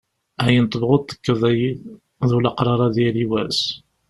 Ayen tebɣuḍ tekkeḍ ay iḍ, d ulaqrar ad yali wass.